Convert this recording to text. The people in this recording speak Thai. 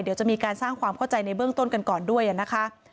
เดี๋ยวจะมีการสร้างความเข้าใจในเบื้องต้นกันก่อนด้วยนะคะ